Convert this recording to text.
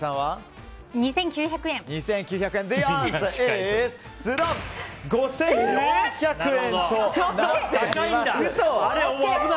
２９００円。